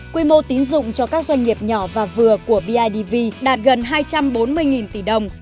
quy mô tín dụng cho các doanh nghiệp nhỏ và vừa của bidv đạt gần hai trăm bốn mươi tỷ đồng